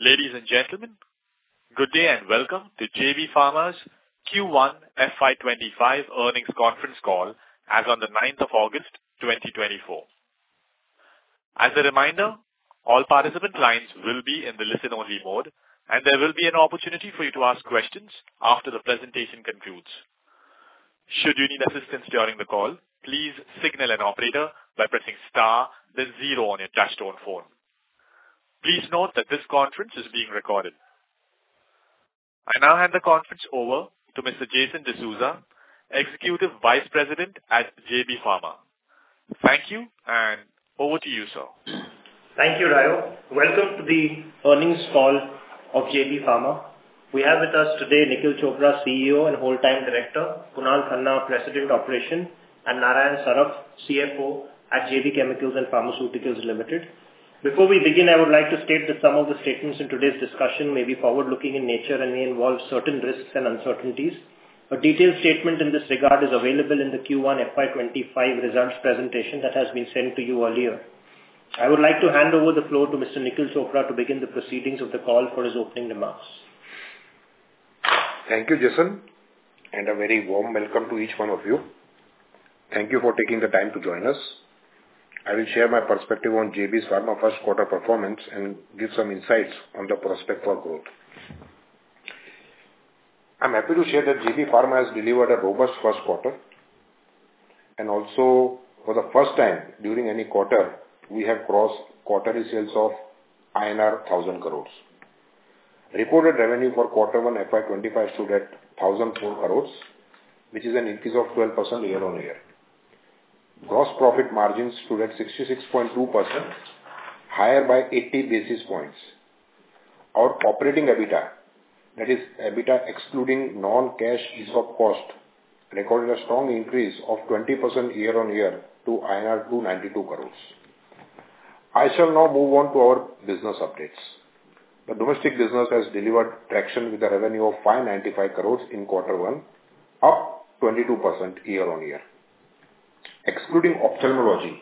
Ladies and gentlemen, good day and welcome to JB Pharma's Q1 FY25 earnings conference call as on the 9th of August, 2024. As a reminder, all participant lines will be in the listen-only mode, and there will be an opportunity for you to ask questions after the presentation concludes. Should you need assistance during the call, please signal an operator by pressing star then zero on your touchtone phone. Please note that this conference is being recorded. I now hand the conference over to Mr. Jason D'Souza, Executive Vice President at JB Pharma. Thank you, and over to you, sir. Thank you, Rayo. Welcome to the earnings call of JB Pharma. We have with us today Nikhil Chopra, CEO and Whole Time Director, Kunal Khanna, President of Operations, and Narayan Saraf, CFO at JB Chemicals and Pharmaceuticals Limited. Before we begin, I would like to state that some of the statements in today's discussion may be forward-looking in nature and may involve certain risks and uncertainties. A detailed statement in this regard is available in the Q1 FY25 results presentation that has been sent to you earlier. I would like to hand over the floor to Mr. Nikhil Chopra to begin the proceedings of the call for his opening remarks. Thank you, Jason, and a very warm welcome to each one of you. Thank you for taking the time to join us. I will share my perspective on JB Pharma first quarter performance and give some insights on the prospect for growth. I'm happy to share that JB Pharma has delivered a robust first quarter, and also for the first time during any quarter, we have crossed quarterly sales of INR 1,000 crores. Reported revenue for quarter one, FY 2025, stood at 1,004 crores, which is an increase of 12% year-on-year. Gross profit margins stood at 66.2%, higher by 80 basis points. Our operating EBITDA, that is EBITDA excluding non-cash ESOP cost, recorded a strong increase of 20% year-on-year to INR 292 crores. I shall now move on to our business updates. The domestic business has delivered traction with a revenue of 595 crore in Q1, up 22% year-on-year. Excluding ophthalmology,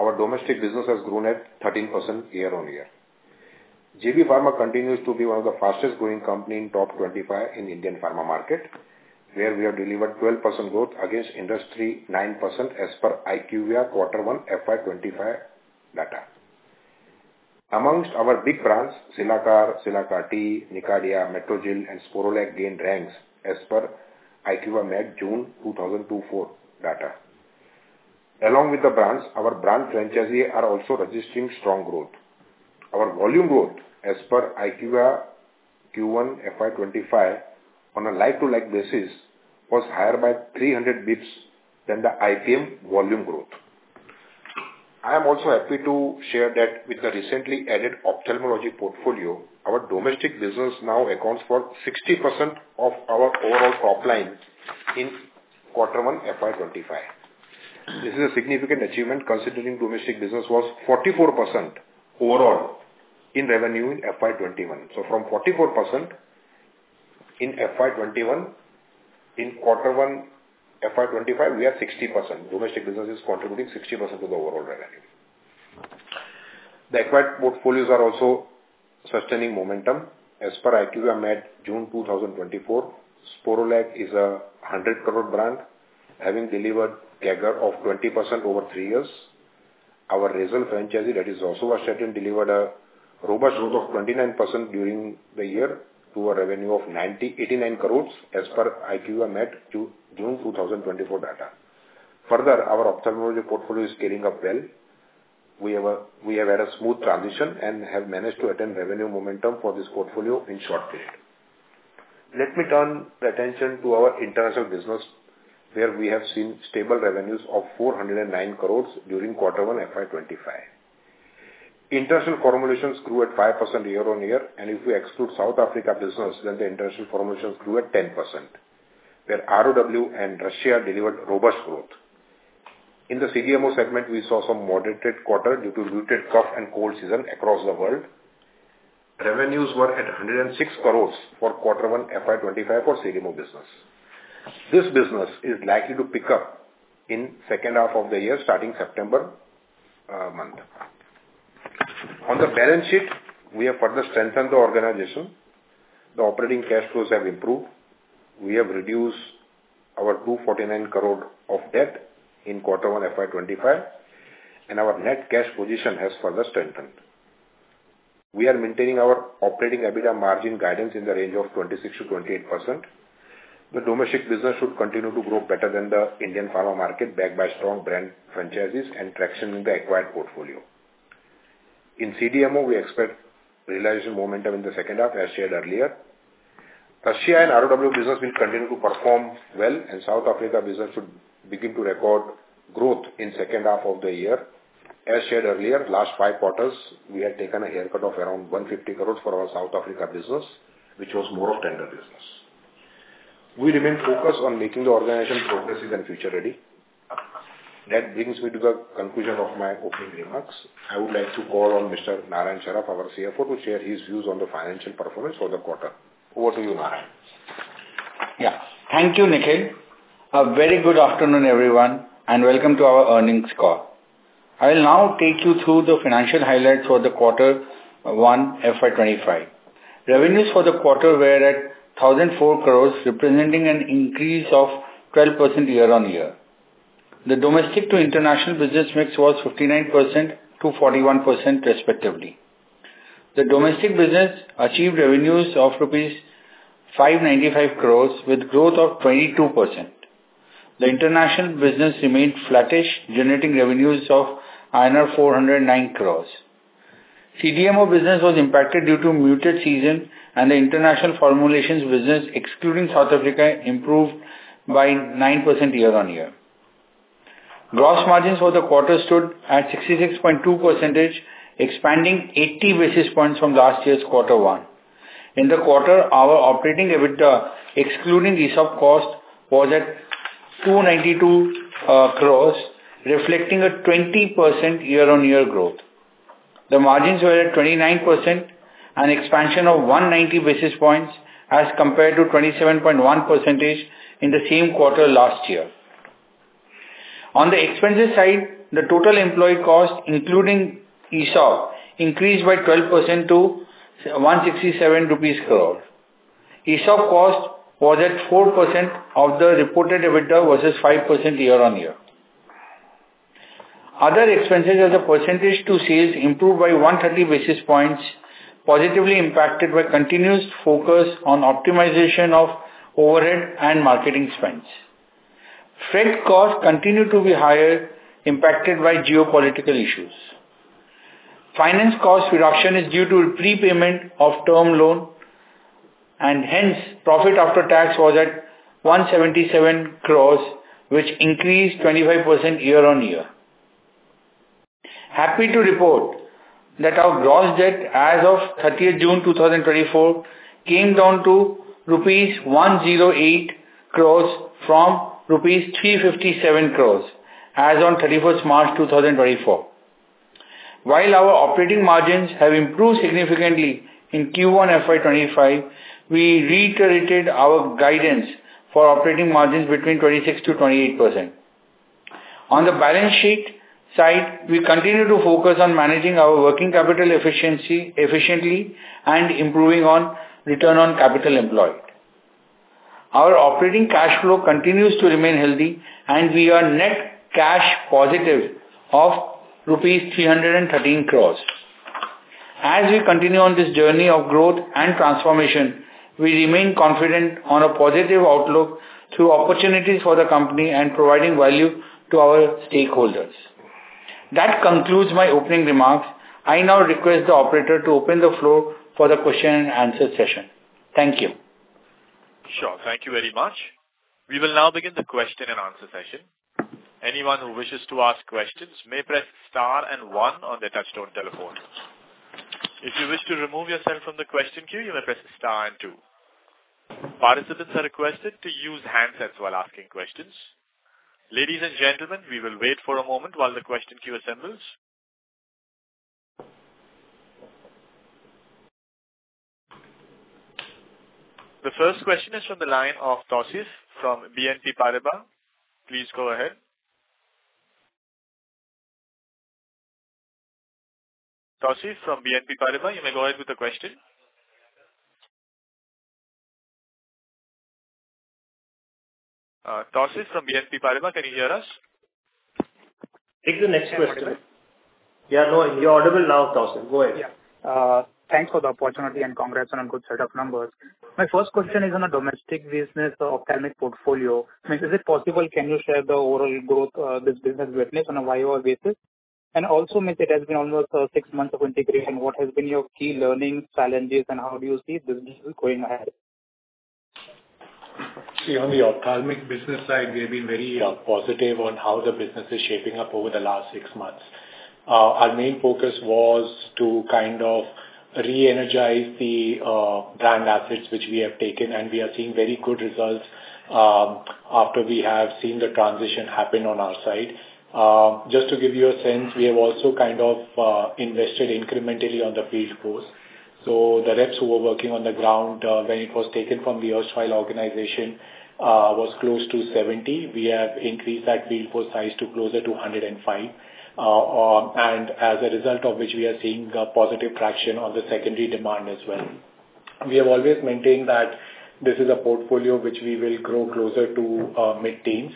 our domestic business has grown at 13% year-on-year. JB Pharma continues to be one of the fastest-growing company in top 25 in Indian pharma market, where we have delivered 12% growth against industry 9% as per IQVIA Q1, FY25 data. Amongst our big brands, Cilacar, Cilacar-T, Nicardia, Metrogyl, and Sporlac gain ranks as per IQVIA MAT, June 2024 data. Along with the brands, our brand franchisee are also registering strong growth. Our volume growth as per IQVIA Q1 FY25 on a like-to-like basis, was higher by 300 basis points than the IPM volume growth. I am also happy to share that with the recently added ophthalmology portfolio, our domestic business now accounts for 60% of our overall top line in Q1 FY25. This is a significant achievement, considering domestic business was 44% overall in revenue in FY21. So from 44% in FY21, in Q1 FY25, we are 60%. Domestic business is contributing 60% to the overall revenue. The acquired portfolios are also sustaining momentum. As per IQVIA MAT June 2024, Sporlac is an 100 crore brand, having delivered CAGR of 20% over 3 years. Our Razel franchise, that is also our second, delivered a robust growth of 29% during the year to a revenue of 89 crore as per IQVIA MAT June 2024 data. Further, our ophthalmology portfolio is scaling up well. We have had a smooth transition and have managed to attain revenue momentum for this portfolio in short period. Let me turn the attention to our international business, where we have seen stable revenues of 409 crore during quarter 1, FY 2025. International formulations grew at 5% year-on-year, and if we exclude South Africa business, then the international formulations grew at 10%, where ROW and Russia delivered robust growth. In the CDMO segment, we saw some moderated quarter due to muted cough and cold season across the world. Revenues were at 106 crore for quarter 1, FY 2025 for CDMO business. This business is likely to pick up in second half of the year, starting September, month. On the balance sheet, we have further strengthened the organization. The operating cash flows have improved. We have reduced our 249 crore of debt in quarter 1, FY 2025, and our net cash position has further strengthened. We are maintaining our operating EBITDA margin guidance in the range of 26%-28%. The domestic business should continue to grow better than the Indian pharma market, backed by strong brand franchises and traction in the acquired portfolio. In CDMO, we expect realization momentum in the second half, as shared earlier. Russia and ROW business will continue to perform well, and South Africa business should begin to record growth in second half of the year. As shared earlier, last 5 quarters, we had taken a haircut of around 150 crore for our South Africa business, which was more of tender business. We remain focused on making the organization progressive and future-ready. That brings me to the conclusion of my opening remarks. I would like to call on Mr. Narayan Saraf, our CFO, to share his views on the financial performance for the quarter. Over to you, Narayan. ...Yeah. Thank you, Nikhil. A very good afternoon, everyone, and welcome to our earnings call. I will now take you through the financial highlights for the Q1, FY25. Revenues for the quarter were at 1,004 crores, representing an increase of 12% year-on-year. The domestic to international business mix was 59% to 41%, respectively. The domestic business achieved revenues of rupees 595 crores with growth of 22%. The international business remained flattish, generating revenues of INR 409 crores. CDMO business was impacted due to muted season, and the international formulations business, excluding South Africa, improved by 9% year-on-year. Gross margins for the quarter stood at 66.2%, expanding 80 basis points from last year's Q1. In the quarter, our operating EBITDA, excluding ESOP cost, was at 292 crores, reflecting a 20% year-on-year growth. The margins were at 29% and expansion of 190 basis points, as compared to 27.1% in the same quarter last year. On the expenses side, the total employee cost, including ESOP, increased by 12% to 167 crore rupees. ESOP cost was at 4% of the reported EBITDA, versus 5% year-on-year. Other expenses as a percentage to sales improved by 130 basis points, positively impacted by continuous focus on optimization of overhead and marketing spends. Freight costs continued to be higher, impacted by geopolitical issues. Finance cost reduction is due to prepayment of term loan, and hence, profit after tax was at 177 crore, which increased 25% year-on-year. Happy to report that our gross debt as of 30th June 2024 came down to INR 108 crores from INR 357 crores as on 31st March 2024. While our operating margins have improved significantly in Q1 FY25, we reiterated our guidance for operating margins between 26%-28%. On the balance sheet side, we continue to focus on managing our working capital efficiently, and improving on return on capital employed. Our operating cash flow continues to remain healthy, and we are net cash positive of rupees 313 crores. As we continue on this journey of growth and transformation, we remain confident on a positive outlook through opportunities for the company and providing value to our stakeholders. That concludes my opening remarks. I now request the operator to open the floor for the question and answer session. Thank you. Sure. Thank you very much. We will now begin the question and answer session. Anyone who wishes to ask questions may press star and one on their touchtone telephone. If you wish to remove yourself from the question queue, you may press star and two. Participants are requested to use handsets while asking questions. Ladies and gentlemen, we will wait for a moment while the question queue assembles. The first question is from the line of Tausif from BNP Paribas. Please go ahead. Tausif from BNP Paribas, you may go ahead with the question. Tausif from BNP Paribas, can you hear us? Take the next question. Yeah, no, you're audible now, Tausif. Go ahead. Yeah, thanks for the opportunity, and congrats on a good set of numbers. My first question is on the domestic business, the ophthalmic portfolio. I mean, is it possible, can you share the overall growth, this business witness on a YOY basis? And also, Nikhil, it has been almost, six months of integration. What has been your key learnings, challenges, and how do you see this business going ahead? See, on the ophthalmic business side, we have been very positive on how the business is shaping up over the last six months. Our main focus was to kind of re-energize the brand assets, which we have taken, and we are seeing very good results after we have seen the transition happen on our side. Just to give you a sense, we have also kind of invested incrementally on the field force. So the reps who were working on the ground, when it was taken from the erstwhile organization, was close to 70. We have increased that field force size to closer to 105, and as a result of which, we are seeing a positive traction on the secondary demand as well. We have always maintained that this is a portfolio which we will grow closer to mid-teens.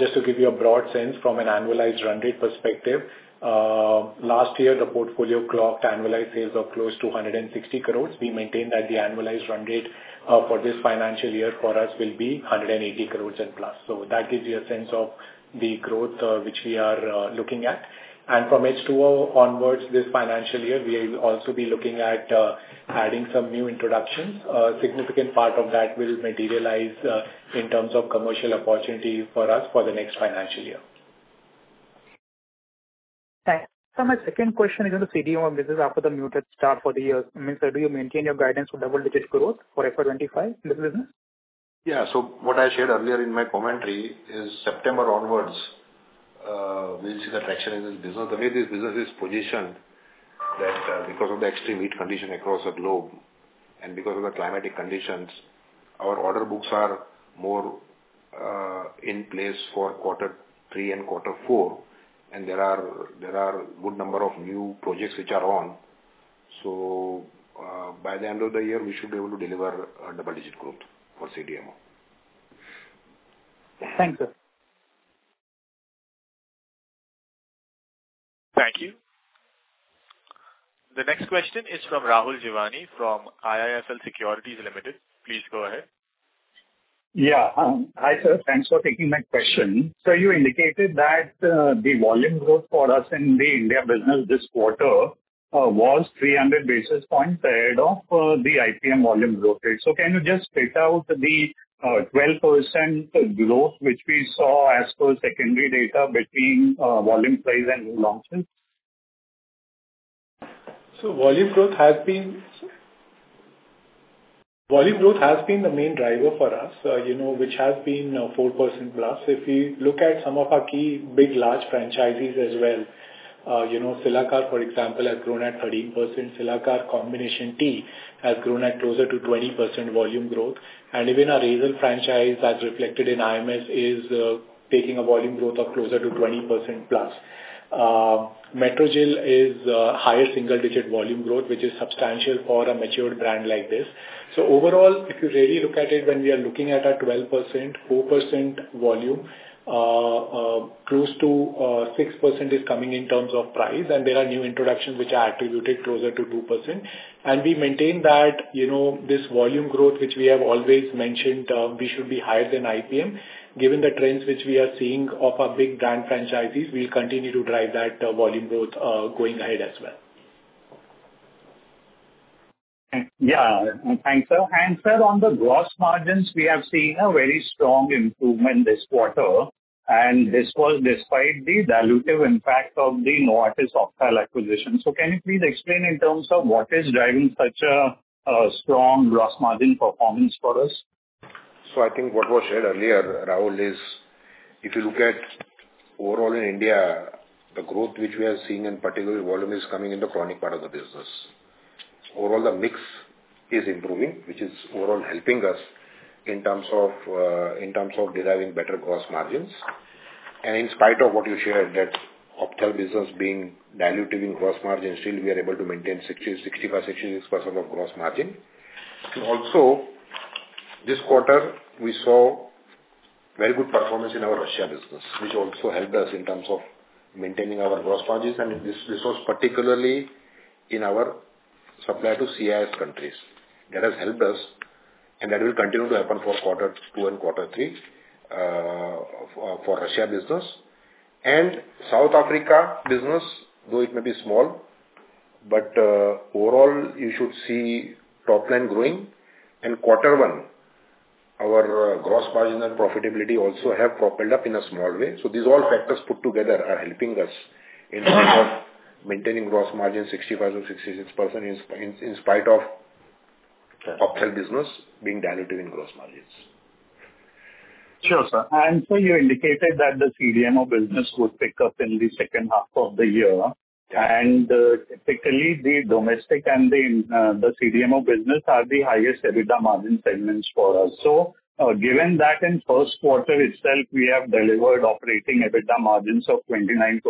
Just to give you a broad sense from an annualized run rate perspective, last year, the portfolio clocked annualized sales of close to 160 crores. We maintained that the annualized run rate for this financial year for us will be 180 crores+. So that gives you a sense of the growth which we are looking at. And from H2 onwards this financial year, we will also be looking at adding some new introductions. A significant part of that will materialize in terms of commercial opportunities for us for the next financial year. Thanks. So my second question is on the CDMO business after the muted start for the years. I mean, sir, do you maintain your guidance for double-digit growth for FY25 in this business? Yeah. What I shared earlier in my commentary is September onwards.... we see the traction in this business. The way this business is positioned, that, because of the extreme heat condition across the globe, and because of the climatic conditions, our order books are more in place for quarter three and quarter four, and there are good number of new projects which are on. So, by the end of the year, we should be able to deliver a double digit growth for CDMO. Thanks, sir. Thank you. The next question is from Rahul Jeewani, from IIFL Securities. Please go ahead. Yeah. Hi, sir, thanks for taking my question. So you indicated that the volume growth for us in the India business this quarter was 300 basis points ahead of the IPM volume growth rate. So can you just split out the 12% growth which we saw as per secondary data between volume, price, and launches? So volume growth has been the main driver for us, you know, which has been 4%+. If you look at some of our key big, large franchises as well, you know, Cilacar, for example, has grown at 13%. Cilacar-T has grown at closer to 20% volume growth. And even our Razel franchise, as reflected in IMS, is taking a volume growth of closer to 20%+. Metrogyl is higher single digit volume growth, which is substantial for a mature brand like this. So overall, if you really look at it, when we are looking at our 12%, 4% volume, close to 6% is coming in terms of price, and there are new introductions which are attributed closer to 2%. We maintain that, you know, this volume growth, which we have always mentioned, we should be higher than IPM. Given the trends which we are seeing of our big brand franchises, we'll continue to drive that, volume growth, going ahead as well. Yeah, thanks, sir. And sir, on the gross margins, we have seen a very strong improvement this quarter, and this was despite the dilutive impact of the Novartis Ophthal acquisition. So can you please explain in terms of what is driving such a strong gross margin performance for us? So I think what was shared earlier, Rahul, is if you look at overall in India, the growth which we are seeing in particular volume is coming in the chronic part of the business. Overall, the mix is improving, which is overall helping us in terms of, in terms of deriving better gross margins. And in spite of what you shared, that Opthal business being dilutive in gross margins, still we are able to maintain 60, 65, 66% of gross margin. Also, this quarter, we saw very good performance in our Russia business, which also helped us in terms of maintaining our gross margins. And this, this was particularly in our supply to CIS countries. That has helped us, and that will continue to happen for quarter two and quarter three, for Russia business. South Africa business, though it may be small, but overall, you should see top line growing. In quarter one, our gross margin and profitability also have propped up in a small way. So these all factors put together are helping us in terms of maintaining gross margin 65% or 66%, in spite of Opthal business being dilutive in gross margins. Sure, sir. And sir, you indicated that the CDMO business would pick up in the second half of the year. Yeah. Typically, the domestic and the CDMO business are the highest EBITDA margin segments for us. So, given that in first quarter itself, we have delivered operating EBITDA margins of 29%,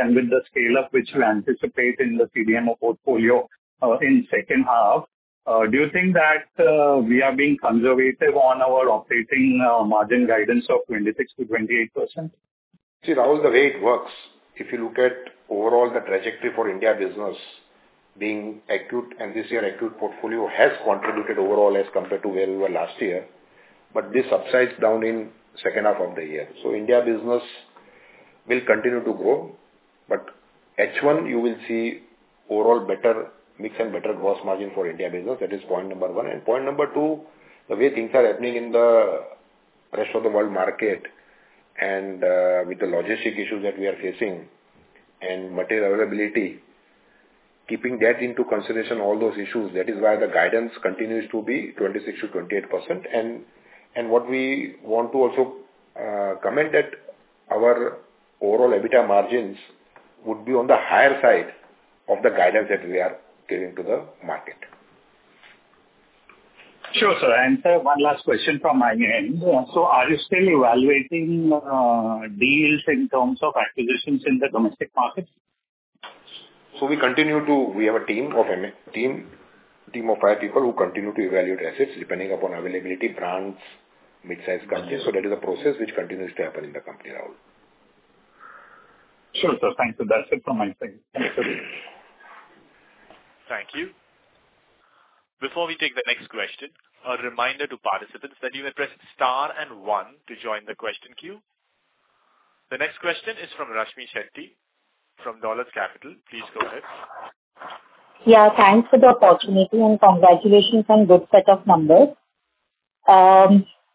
and with the scale-up which we anticipate in the CDMO portfolio, in second half, do you think that we are being conservative on our operating margin guidance of 26%-28%? See, Rahul, the way it works, if you look at overall the trajectory for India business being acute, and this year, acute portfolio has contributed overall as compared to where we were last year, but this subsides down in second half of the year. So India business will continue to grow, but H1, you will see overall better mix and better gross margin for India business. That is point number one. And point number two, the way things are happening in the rest of the world market and with the logistic issues that we are facing and material availability, keeping that into consideration, all those issues, that is why the guidance continues to be 26%-28%. And what we want to also comment that our overall EBITDA margins would be on the higher side of the guidance that we are giving to the market. Sure, sir. Sir, one last question from my end. Yeah. So are you still evaluating deals in terms of acquisitions in the domestic markets? So we continue to. We have a team of M&A of five people who continue to evaluate assets, depending upon availability, brands, mid-sized countries. So that is a process which continues to happen in the company, Rahul. Sure, sir. Thanks, and that's it from my side. Thanks. Thank you. Before we take the next question, a reminder to participants that you may press star and one to join the question queue. The next question is from Rashmi Shetty, from Dolat Capital. Please go ahead. Yeah, thanks for the opportunity, and congratulations on good set of numbers.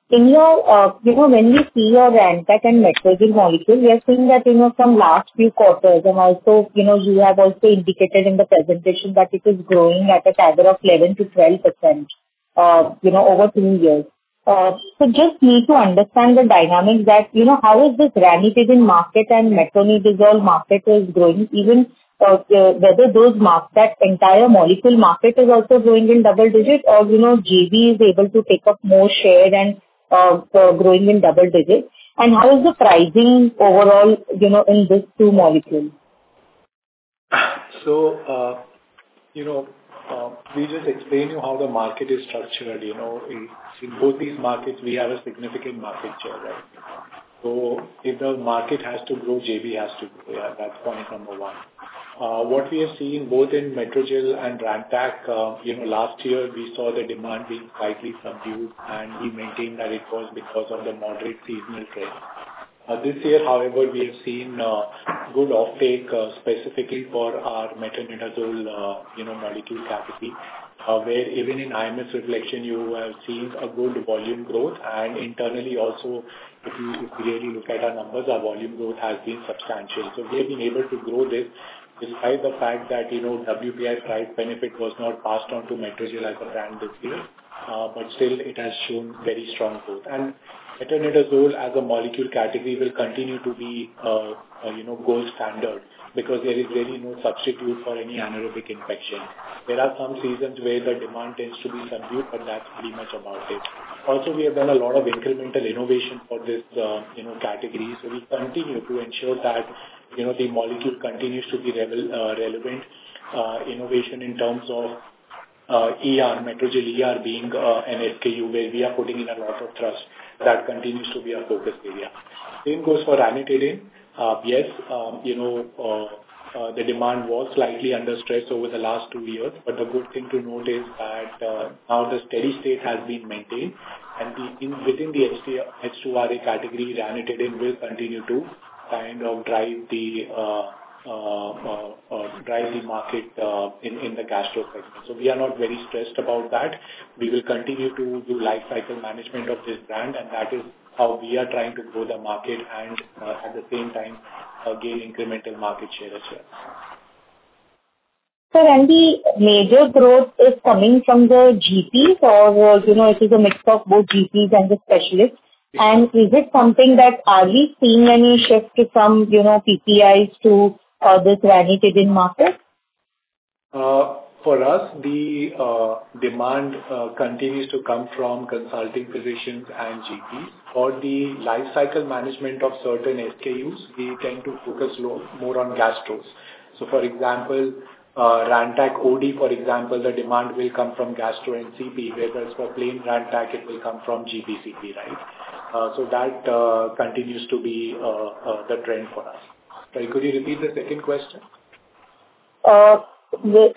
In your, you know, when we see your Rantac and Metrogyl molecule, we are seeing that, you know, from last few quarters, and also, you know, you have also indicated in the presentation that it is growing at a CAGR of 11%-12% over three years. So just need to understand the dynamics that, you know, how is this ranitidine market and metronidazole market is growing, even whether that entire molecule market is also growing in double digits, or, you know, JV is able to take up more share and growing in double digits. And how is the pricing overall, you know, in these two molecules? So, you know, we just explained to you how the market is structured. You know, in both these markets, we have a significant market share, right? So if the market has to grow, JB has to grow. Yeah, that's point number one. What we are seeing both in Metrogyl and Rantac, you know, last year, we saw the demand being slightly subdued, and we maintained that it was because of the moderate seasonal trend. This year, however, we have seen good offtake, specifically for our metronidazole, you know, molecule category. Where even in IMS Reflection, you have seen a good volume growth, and internally also, if you clearly look at our numbers, our volume growth has been substantial. So we have been able to grow this despite the fact that, you know, WPI price benefit was not passed on to Metrogyl as a brand this year, but still it has shown very strong growth. And metronidazole as a molecule category will continue to be, you know, gold standard, because there is really no substitute for any anaerobic infection. There are some seasons where the demand tends to be subdued, but that's pretty much about it. Also, we have done a lot of incremental innovation for this, you know, category. So we continue to ensure that, you know, the molecule continues to be relevant, innovation in terms of ER, Metrogyl ER being an SKU where we are putting in a lot of trust. That continues to be our focus area. Same goes for ranitidine. Yes, you know, the demand was slightly under stress over the last two years, but the good thing to note is that now the steady state has been maintained, and within the H2RA category, ranitidine will continue to kind of drive the market in the gastro segment. So we are not very stressed about that. We will continue to do life cycle management of this brand, and that is how we are trying to grow the market and, at the same time, gain incremental market share as well. So, the major growth is coming from the GPs or, you know, it is a mix of both GPs and the specialists. Is it something that we are seeing any shift from, you know, PPIs to this ranitidine market? For us, the demand continues to come from consulting physicians and GPs. For the life cycle management of certain SKUs, we tend to focus more on gastros. So, for example, Rantac OD, for example, the demand will come from gastro and CP, whereas for plain Rantac, it will come from GPCP, right? So that the trend for us. Sorry, could you repeat the second question? Are we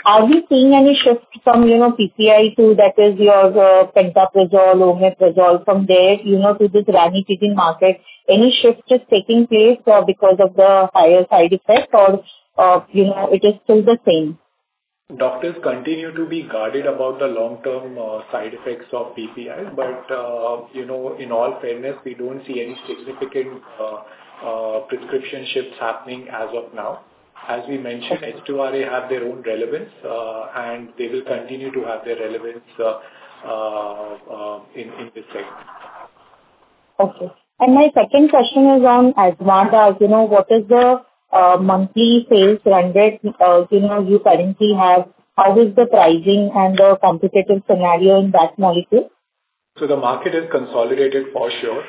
seeing any shift from, you know, PPI to, that is your pantoprazole, omeprazole from there, you know, to this ranitidine market? Any shifts just taking place because of the higher side effects or, you know, it is still the same? Doctors continue to be guarded about the long-term side effects of PPI. But, you know, in all fairness, we don't see any significant prescription shifts happening as of now. As we mentioned, H2RA have their own relevance, and they will continue to have their relevance in this segment. Okay. My second question is on Azmarda. You know, what is the monthly sales rendered, you know, you currently have? How is the pricing and the competitive scenario in that molecule? So the market is consolidated for sure.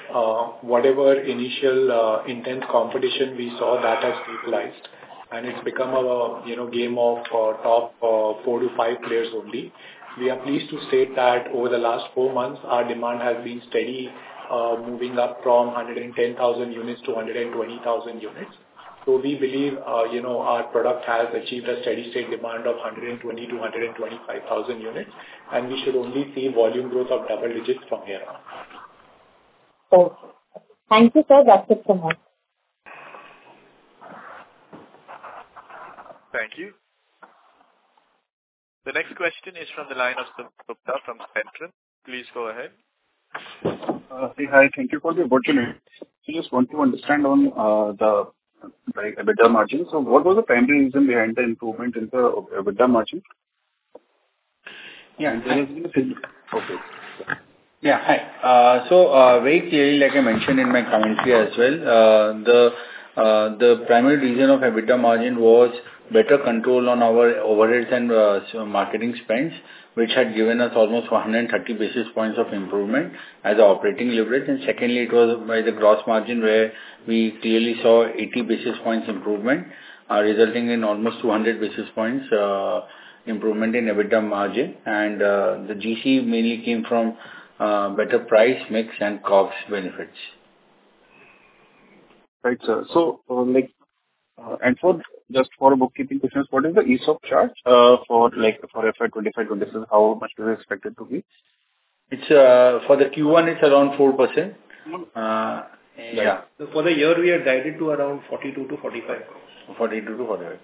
Whatever initial, intense competition we saw, that has neutralized, and it's become a, you know, game of, top, four to five players only. We are pleased to state that over the last four months, our demand has been steady, moving up from 110,000 units to 120,000 units. So we believe, you know, our product has achieved a steady state demand of 120,000 to 125,000 units, and we should only see volume growth of double digits from here on. Okay. Thank you, sir. That's it from us. Thank you. The next question is from the line of Gupta from Centrum. Please go ahead. Hi, thank you for the opportunity. So just want to understand on, the, like, EBITDA margins. So what was the primary reason behind the improvement in the EBITDA margin? Yeah. Okay. Yeah. Hi, so very clearly, like I mentioned in my commentary as well, the primary reason of EBITDA margin was better control on our overheads and so marketing spends, which had given us almost 130 basis points of improvement as operating leverage. And secondly, it was by the gross margin, where we clearly saw 80 basis points improvement, resulting in almost 200 basis points improvement in EBITDA margin. And the GC mainly came from better price, mix, and COGS benefits. Right, sir. So, like, just for bookkeeping questions, what is the ESOP charge for FY25? 25, how much is it expected to be? It's for the Q1, it's around 4%. Yeah. For the year, we are guided to around 42-45. 42-45.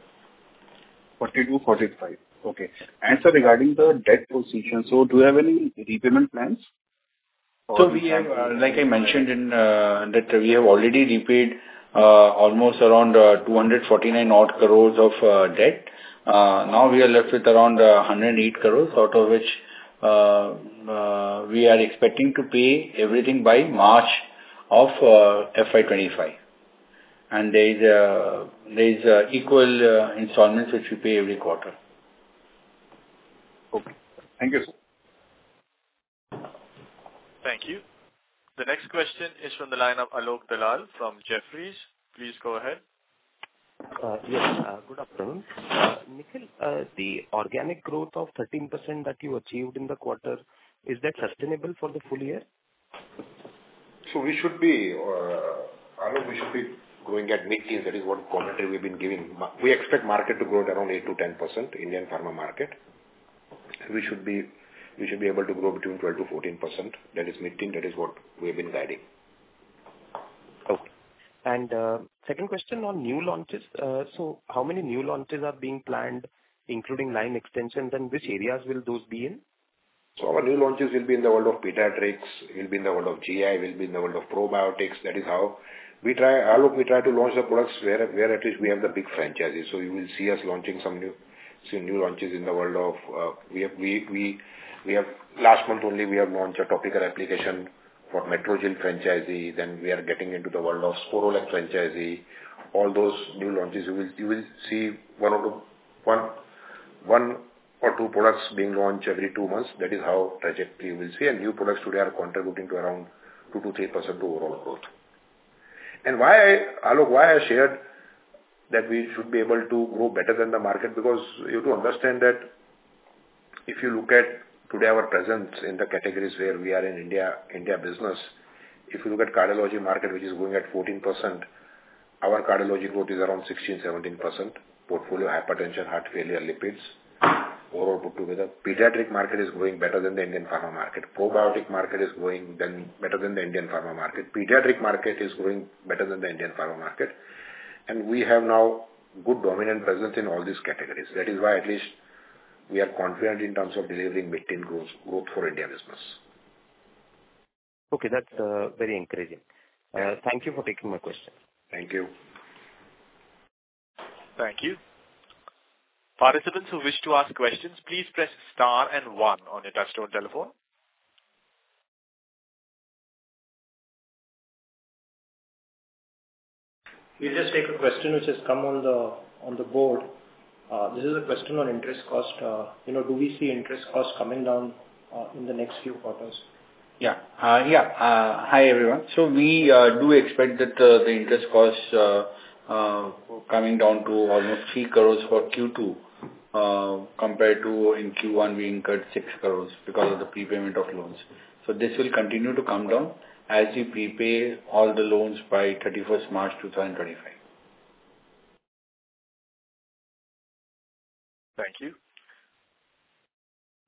42, 45. Okay. Sir, regarding the debt position, so do you have any repayment plans?... So we have, like I mentioned in that we have already repaid almost around 249 odd crores of debt. Now we are left with around 108 crores, out of which we are expecting to pay everything by March of FY 2025. And there is equal installments, which we pay every quarter. Okay. Thank you, sir. Thank you. The next question is from the line of Alok Dalal from Jefferies. Please go ahead. Yes, good afternoon. Nikhil, the organic growth of 13% that you achieved in the quarter, is that sustainable for the full year? So we should be. I think we should be growing at mid-teen. That is what commentary we've been giving. We expect market to grow at around 8%-10%, Indian pharma market. We should be, we should be able to grow between 12%-14%. That is mid-teen. That is what we have been guiding. Okay. Second question on new launches. How many new launches are being planned, including line extensions, and which areas will those be in? So our new launches will be in the world of pediatrics. It will be in the world of GI. It will be in the world of probiotics. That is how we try... Alok, we try to launch the products where at least we have the big franchises. So you will see us launching some new launches in the world of. We have. Last month only, we have launched a topical application for Metrogyl franchise. Then we are getting into the world of franchise. All those new launches, you will see 1 out of 1, 1 or 2 products being launched every 2 months. That is how trajectory you will see. And new products today are contributing to around 2%-3% of overall growth. And why, Alok, why I shared that we should be able to grow better than the market? Because you have to understand that if you look at today, our presence in the categories where we are in India, India business. If you look at cardiology market, which is growing at 14%, our cardiology growth is around 16%-17%. Portfolio, hypertension, heart failure, lipids, overall put together. Pediatric market is growing better than the Indian pharma market. Probiotic market is growing better than the Indian pharma market. Pediatric market is growing better than the Indian pharma market. And we have now good dominant presence in all these categories. That is why at least we are confident in terms of delivering mid-teen growth, growth for India business. Okay, that's very encouraging. Thank you for taking my question. Thank you. Thank you. Participants who wish to ask questions, please press star and one on your touchtone telephone. We just take a question which has come on the board. This is a question on interest cost. You know, do we see interest costs coming down in the next few quarters? Yeah. Yeah. Hi, everyone. So we do expect that the interest costs coming down to almost 3 crore for Q2, compared to in Q1, we incurred 6 crore because of the prepayment of loans. So this will continue to come down as we prepay all the loans by 31st March 2025.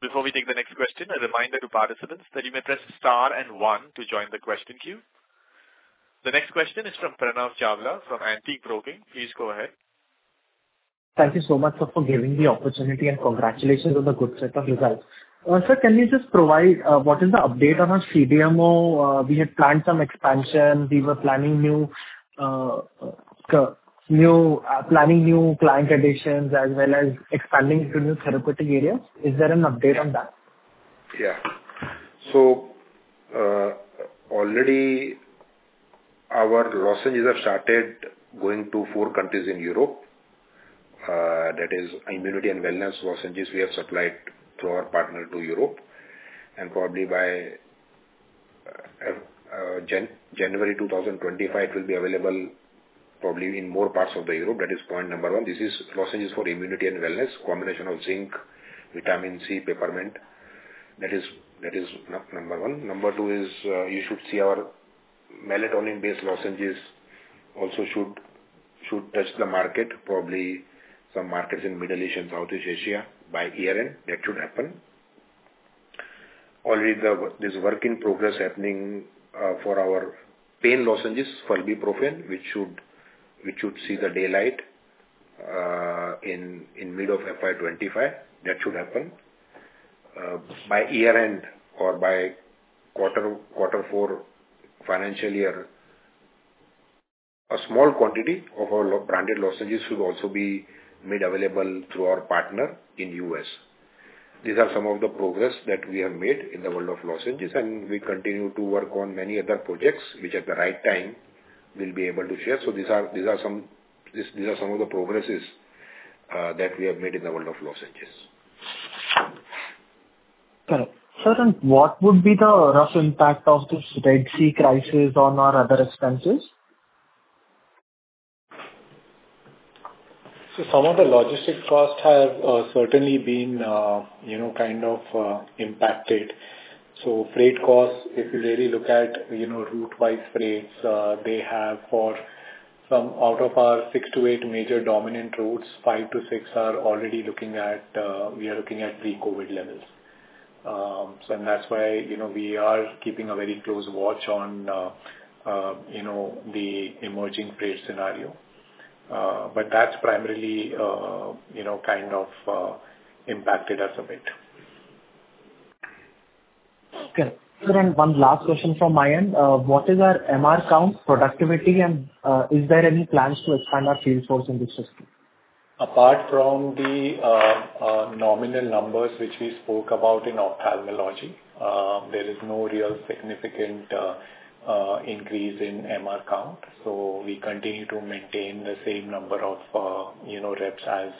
Thank you. Before we take the next question, a reminder to participants that you may press star and one to join the question queue. The next question is from Pranav Chawla, from Antique Stock Broking. Please go ahead. Thank you so much, sir, for giving the opportunity, and congratulations on the good set of results. Sir, can you just provide what is the update on our CDMO? We had planned some expansion. We were planning new client additions, as well as expanding into new therapeutic areas. Is there an update on that? Yeah. So, already our lozenges have started going to four countries in Europe. That is immunity and wellness lozenges we have supplied through our partner to Europe. And probably by January 2025, it will be available probably in more parts of Europe. That is point number one. This is lozenges for immunity and wellness, combination of zinc, vitamin C, peppermint. That is number one. Number two is, you should see our melatonin-based lozenges also should touch the market, probably some markets in Middle East and Southeast Asia. By year-end, that should happen. Already there, there's work in progress happening for our pain lozenges for Ibuprofen, which should see the daylight in middle of FY25. That should happen. By year-end or by quarter four financial year, a small quantity of our branded lozenges will also be made available through our partner in US. These are some of the progress that we have made in the world of lozenges, and we continue to work on many other projects, which at the right time, we'll be able to share. So these are some of the progresses that we have made in the world of lozenges. Correct. Sir, and what would be the rough impact of this Red Sea crisis on our other expenses? So some of the logistic costs have certainly been, you know, kind of impacted. So freight costs, if you really look at, you know, route wise freights, they have for some out of our 6-8 major dominant routes, 5-6 are already looking at, we are looking at pre-COVID levels. So and that's why, you know, we are keeping a very close watch on, you know, the emerging freight scenario. But that's primarily, you know, kind of impacted us a bit. Okay. One last question from my end. What is our MR count productivity, and is there any plans to expand our field force in this system? Apart from the nominal numbers which we spoke about in ophthalmology, there is no real significant increase in MR count. We continue to maintain the same number of, you know, reps as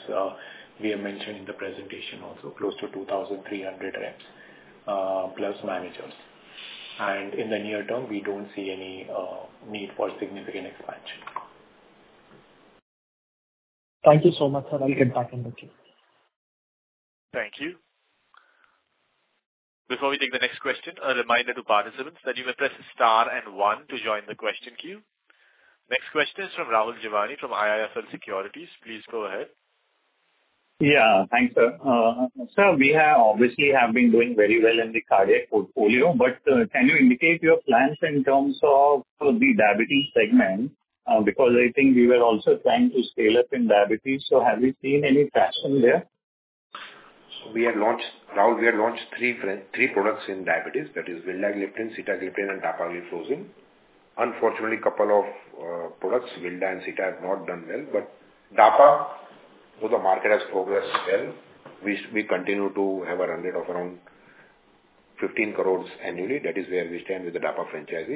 we have mentioned in the presentation also, close to 2,300 reps, plus managers. In the near term, we don't see any need for significant expansion. Thank you so much, sir. I'll get back in the queue. Thank you. Before we take the next question, a reminder to participants that you may press Star and One to join the question queue. Next question is from Rahul Jeewani from IIFL Securities. Please go ahead. Yeah, thanks, sir. So we have obviously have been doing very well in the cardiac portfolio, but, can you indicate your plans in terms of the diabetes segment? Because I think we were also trying to scale up in diabetes, so have you seen any traction there? So we have launched, Rahul, we have launched three products in diabetes, that is Vildagliptin, Sitagliptin, and Dapagliflozin. Unfortunately, couple of products, Vilda and Sita, have not done well. But Dapa, so the market has progressed well. We, we continue to have a run rate of around 15 crore annually. That is where we stand with the Dapa franchise.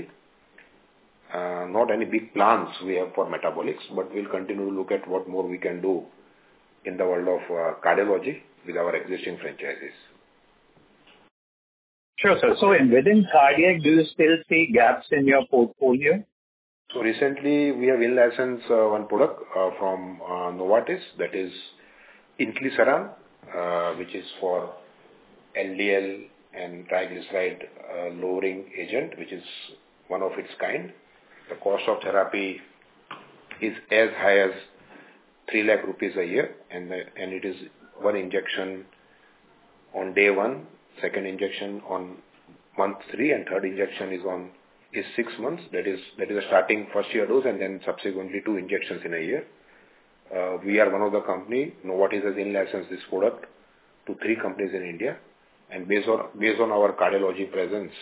Not any big plans we have for metabolics, but we'll continue to look at what more we can do in the world of cardiology with our existing franchises. Sure, sir. So in cardiac, do you still see gaps in your portfolio? So recently we have in-licensed one product from Novartis, that is Inclisiran, which is for LDL and triglyceride lowering agent, which is one of its kind. The cost of therapy is as high as 300,000 rupees a year, and it is one injection on day 1, second injection on month 3, and third injection is on 6 months. That is a starting first-year dose and then subsequently 2 injections in a year. We are one of the company, Novartis has in-licensed this product to 3 companies in India, and based on our cardiology presence,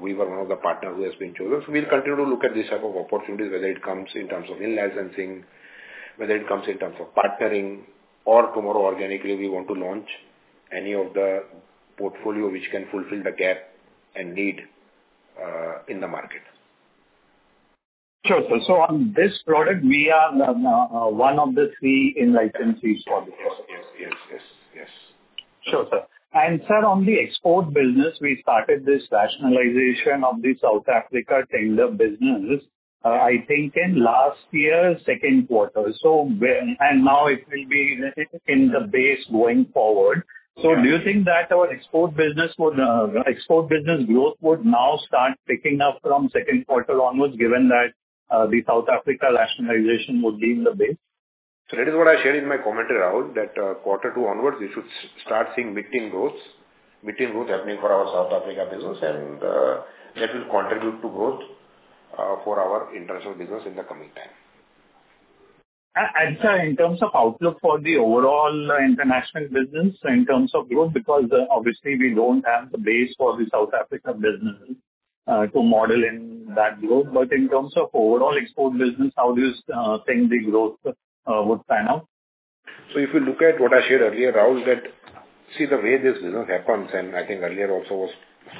we were one of the partners who has been chosen. So we'll continue to look at this type of opportunities, whether it comes in terms of in-licensing, whether it comes in terms of partnering, or tomorrow, organically, we want to launch any of the portfolio which can fulfill the gap and need in the market. Sure, sir. So on this product, we are now one of the three in-licensees for this. Yes, yes, yes, yes. Sure, sir. And sir, on the export business, we started this rationalization of the South Africa tender business, I think in last year, second quarter. So where... And now it will be in the base going forward. Yeah. Do you think that our export business would export business growth would now start picking up from second quarter onward, given that the South Africa rationalization would be in the base? So that is what I shared in my commentary, Rahul, that, quarter two onwards, we should start seeing midterm growth, midterm growth happening for our South Africa business, and, that will contribute to growth, for our international business in the coming time. sir, in terms of outlook for the overall international business, in terms of growth, because obviously we don't have the base for the South Africa business to model in that growth. But in terms of overall export business, how do you think the growth would pan out? So if you look at what I shared earlier, Rahul, that see the way this business happens, and I think earlier also was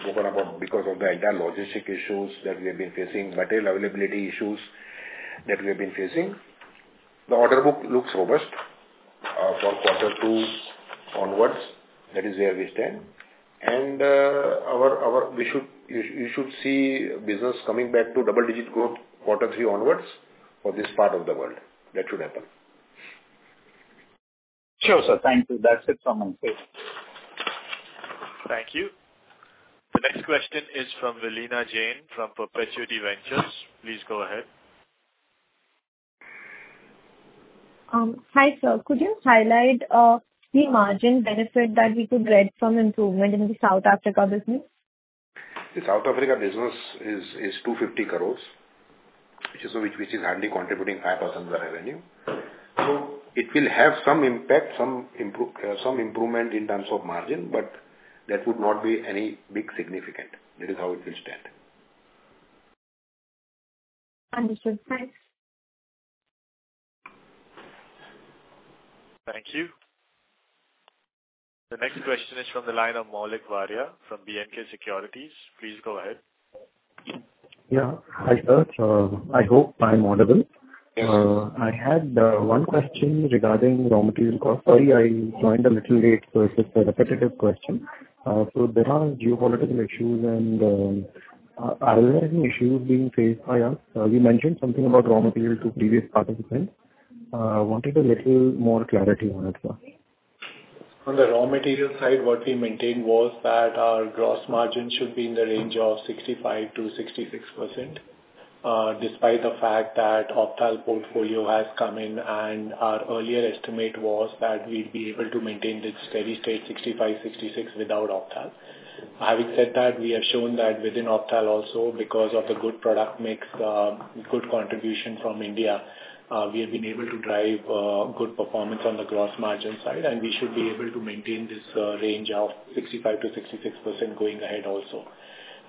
spoken about because of the entire logistic issues that we have been facing, material availability issues that we have been facing, the order book looks robust, from quarter two onwards. That is where we stand. And, our. We should, you should see business coming back to double-digit growth, quarter three onwards for this part of the world. That should happen. Sure, sir. Thank you. That's it from my side. Thank you. The next question is from Vilina Jain, from Perpetuity Ventures. Please go ahead. Hi, sir. Could you highlight the margin benefit that we could get from improvement in the South Africa business? The South Africa business is 250 crores, which is hardly contributing 5% of the revenue. So it will have some impact, some improvement in terms of margin, but that would not be any big significant. This is how it will stand. Understood. Thanks. Thank you. The next question is from the line of Maulik Varia, from B&K Securities. Please go ahead. Yeah. Hi, sir. I hope I'm audible. Yeah. I had one question regarding raw material cost. Sorry, I joined a little late, so it's a repetitive question. So there are geopolitical issues, and are there any issues being faced by us? We mentioned something about raw material to previous participants. Wanted a little more clarity on it, sir. On the raw material side, what we maintained was that our gross margin should be in the range of 65%-66%, despite the fact that Opthal portfolio has come in, and our earlier estimate was that we'd be able to maintain this steady state, 65, 66, without Opthal.... Having said that, we have shown that within Opthal also, because of the good product mix, good contribution from India, we have been able to drive, good performance on the gross margin side, and we should be able to maintain this, range of 65%-66% going ahead also.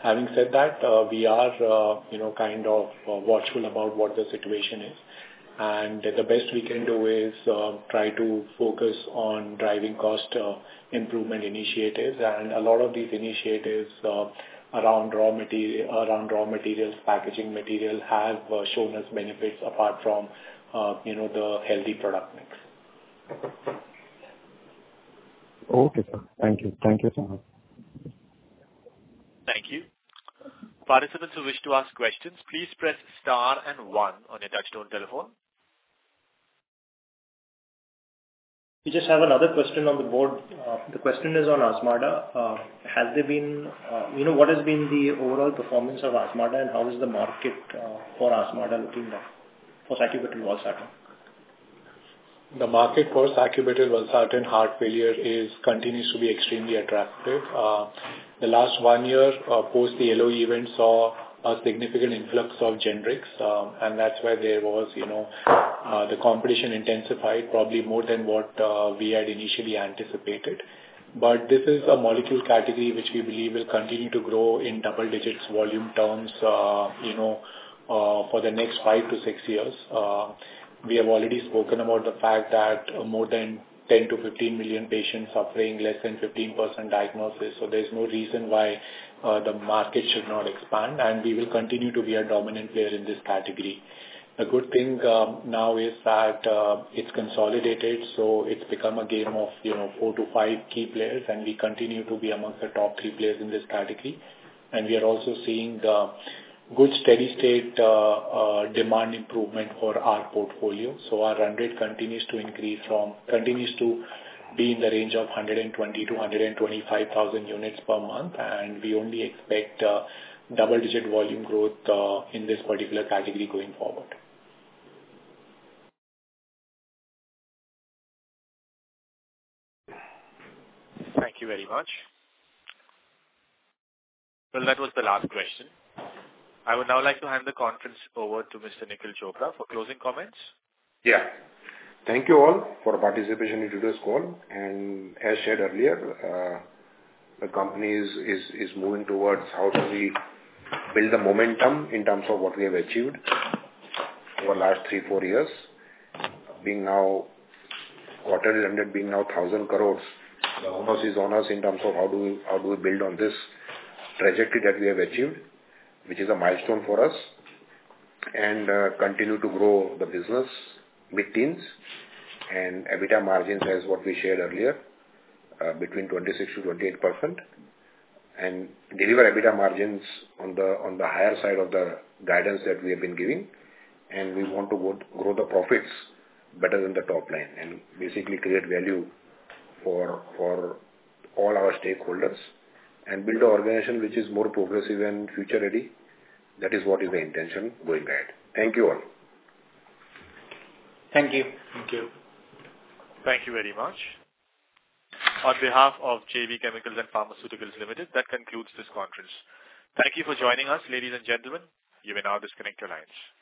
Having said that, we are, you know, kind of watchful about what the situation is, and the best we can do is, try to focus on driving cost, improvement initiatives. And a lot of these initiatives, around raw materials, packaging material, have shown us benefits apart from, you know, the healthy product mix. Okay, sir. Thank you. Thank you so much. Thank you. Participants who wish to ask questions, please press star and one on your touchtone telephone. We just have another question on the board. The question is on Azmarda. Has there been... You know, what has been the overall performance of Azmarda, and how is the market for Azmarda looking like for Sacubitril/Valsartan? The market for sacubitril/valsartan heart failure is, continues to be extremely attractive. The last one year, post the yellow event, saw a significant influx of generics, and that's where there was, you know, the competition intensified probably more than what, we had initially anticipated. But this is a molecule category which we believe will continue to grow in double digits volume terms, you know, for the next 5-6 years. We have already spoken about the fact that more than 10-15 million patients are paying less than 15% diagnosis, so there's no reason why, the market should not expand, and we will continue to be a dominant player in this category. The good thing now is that it's consolidated, so it's become a game of, you know, four to five key players, and we continue to be among the top three players in this category. We are also seeing good steady state demand improvement for our portfolio. So our run rate continues to be in the range of 120,000-125,000 units per month, and we only expect double-digit volume growth in this particular category going forward. Thank you very much. Well, that was the last question. I would now like to hand the conference over to Mr. Nikhil Chopra for closing comments. Yeah. Thank you all for participation in today's call, and as shared earlier, the company is moving towards how do we build the momentum in terms of what we have achieved over the last 3-4 years. Being now quarterly 100, being now 1,000 crores, the onus is on us in terms of how do we build on this trajectory that we have achieved, which is a milestone for us, and continue to grow the business with top line and EBITDA margins as what we shared earlier, between 26%-28%, and deliver EBITDA margins on the higher side of the guidance that we have been giving. We want to grow the profits better than the top line and basically create value for all our stakeholders and build an organization which is more progressive and future-ready. That is what is the intention going ahead. Thank you all. Thank you. Thank you. Thank you very much. On behalf of JB Chemicals and Pharmaceuticals Limited, that concludes this conference. Thank you for joining us, ladies and gentlemen. You may now disconnect your lines.